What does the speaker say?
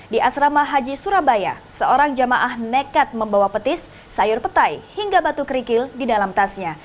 di asrama haji surabaya seorang jamaah nekat membawa petis sayur petai hingga batu kerikil di dalam tasnya